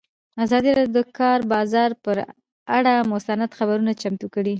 ازادي راډیو د د کار بازار پر اړه مستند خپرونه چمتو کړې.